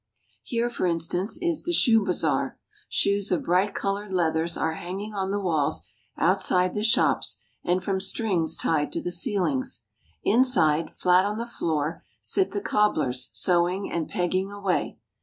Here, for instance, is the shoe bazaar. Shoes of bright colored leathers are hanging on the walls outside the shops and from strings tied to the ceilings. Inside, flat on the floor, sit the cobblers sewing and pegging away.